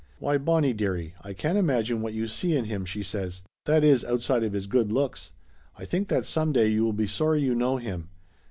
"Why, Bonnie dearie, I can't imagine what you see in him," she says. "That is, outside of his good looks. I think that some day you will be sorry you know him.